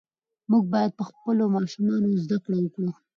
موږ باید پر خپلو ماشومانو زده کړه وکړو .